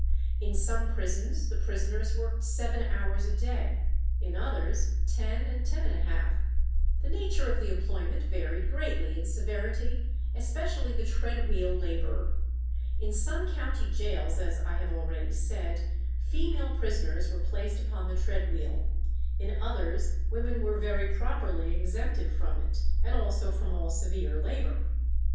In some prisons the prisoners worked seven hours a day, in others ten and ten and a half. The nature of the employment varied greatly in severity, especially the tread wheel labour. In some county gaols, as I have already said, female prisoners were placed upon the tread wheel; in others women were very properly exempted from it, and also from all severe labour.